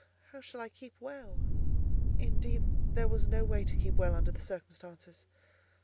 How shall I keep well?" Indeed there was no way to keep well under the circumstances.